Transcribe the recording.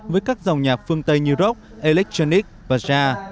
với các dòng nhạc phương tây như rock electronic và ja